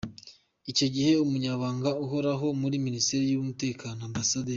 Icyo gihe Umunyamabanga Uhoraho muri Minisiteri y’Umutekano, Amb.